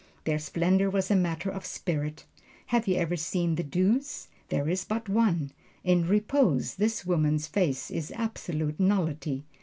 Their splendor was a matter of spirit. Have you ever seen the Duse? there is but one. In repose this woman's face is absolute nullity.